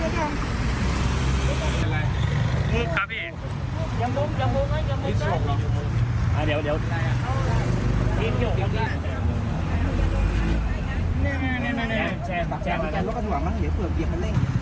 สวัสดีค่ะ